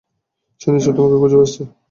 সে নিশ্চয়ই তোমাকে খুঁজে বেড়াচ্ছে।